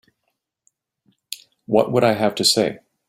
What would I have to say?